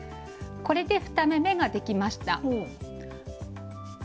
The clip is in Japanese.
これで２目めができました。